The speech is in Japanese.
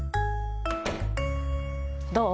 どう？